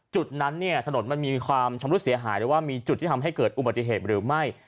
จุดนั้นเนี่ยถนนมันมีความชำรุดเสียหายหรือว่ามีจุดที่ทำให้เกิดอุบัติเหตุหรือไม่